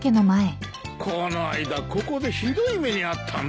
この間ここでひどい目に遭ったんだ。